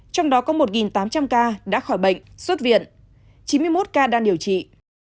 trong đó có một tám trăm linh ca đã khỏi bệnh xuất viện chín mươi một ca đang điều trị